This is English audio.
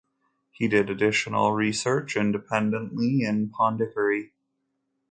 He did additional research independently in Pondicherry.